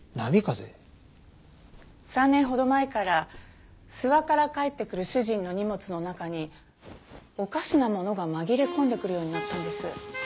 ３年ほど前から諏訪から帰ってくる主人の荷物の中におかしなものが紛れ込んでくるようになったんです。